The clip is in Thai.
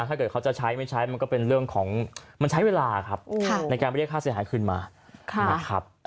ถ้าเกิดเขาจะใช้ไม่ใช้มันก็เป็นเรื่องของมันใช้เวลาครับในการไปเรียกค่าเสียหายคืนมานะครับ